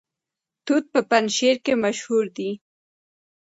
توت په پنجشیر کې مشهور دي